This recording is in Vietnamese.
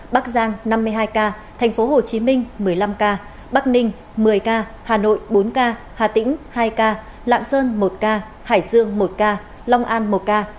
bắc giang năm mươi hai ca tp hcm một mươi năm ca bắc ninh một mươi ca hà nội bốn ca hà tĩnh hai ca lạng sơn một ca hải dương một ca long an một ca